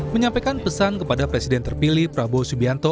menyampaikan pesan kepada presiden terpilih prabowo subianto